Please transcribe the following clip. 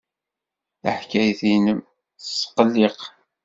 Taḥkayt-nnem tesqelliq.